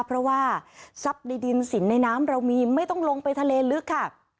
เพราะว่าทรัพย์ในดินสินในน้ำเรามีไม่ต้องลงไปทะเลลึกค่ะ